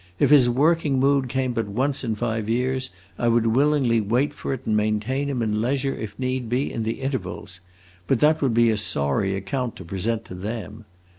If his working mood came but once in five years I would willingly wait for it and maintain him in leisure, if need be, in the intervals; but that would be a sorry account to present to them.